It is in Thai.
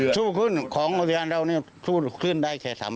สู้ขึ้นของรถยานเรานี่สู้ขึ้นได้แค่๓เมตร